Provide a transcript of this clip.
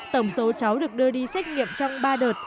tổng số cháu được đưa đi xét nghiệm trong ba đợt